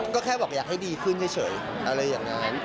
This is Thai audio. ก็แค่บอกอยากให้ดีขึ้นเฉยอะไรอย่างนั้น